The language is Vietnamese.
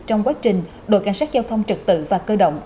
trong quá trình đội cảnh sát giao thông trật tự và cơ động